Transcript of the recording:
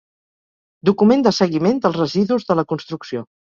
Document de seguiment dels residus de la construcció.